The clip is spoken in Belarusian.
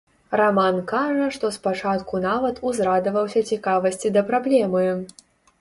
Раман кажа, што спачатку нават узрадаваўся цікавасці да праблемы.